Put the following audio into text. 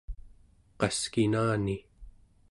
qaskinani